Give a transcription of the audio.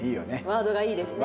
ワードがいい。